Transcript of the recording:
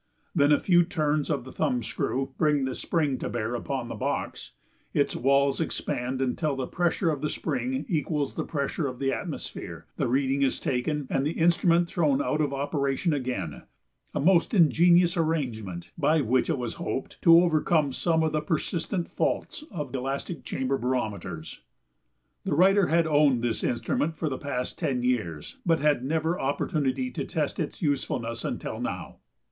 Then a few turns of the thumb screw bring the spring to bear upon the box, its walls expand until the pressure of the spring equals the pressure of the atmosphere, the reading is taken, and the instrument thrown out of operation again a most ingenious arrangement by which it was hoped to overcome some of the persistent faults of elastic chamber barometers. The writer had owned this instrument for the past ten years, but had never opportunity to test its usefulness until now.